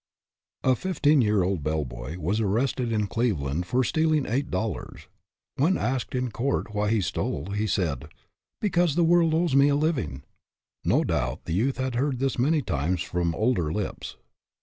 FIFTEEN YEAR OLD bell boy, was arrested in Cleveland, for steal ing eight dollars. When asked in court why he stole, he said " Be cause the world owes me a living." No doubt the youth had heard this many times from older lips.